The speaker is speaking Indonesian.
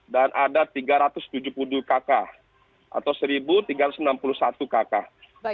dan ada tiga ratus tujuh puluh dua kakak atau satu tiga ratus sembilan puluh satu kakak